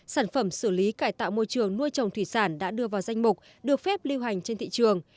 sản phẩm xử lý cải tạo môi trường nuôi trồng thủy sản đã đưa vào danh mục được phép lưu hành trên thị trường